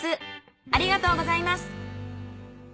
ありがとうございます！